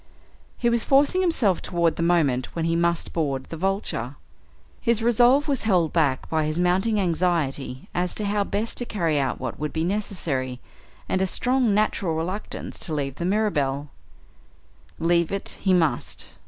He was forcing himself toward the moment when he must board the Vulture. His resolve was held back by his mounting anxiety as to how best to carry out what would be necessary, and a strong natural reluctance to leave the Mirabelle. Leave it he must.